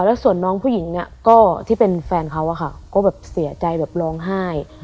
แล้วส่วนน้องผู้หญิงเนี่ยก็ที่เป็นแฟนเขาอะค่ะก็แบบเสียใจแบบร้องไห้